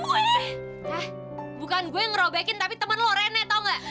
hah bukan gue yang robekin tapi temen lo renee tau gak